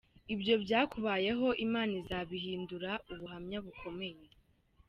Ibyo byakubayeho Imana izabihindura ubuhamya bukomeye.